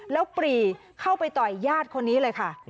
แล้วปรีเข้าไปต่อยญาติคนนี้เลยค่ะ